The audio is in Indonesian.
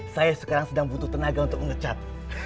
saya sekarang sedang butuh tenaga untuk mengecat